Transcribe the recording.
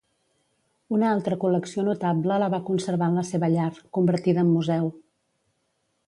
Una altra col·lecció notable la va conservar en la seva llar, convertida en museu.